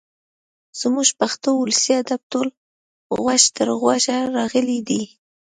زموږ پښتو ولسي ادب ټول غوږ تر غوږه راغلی دی.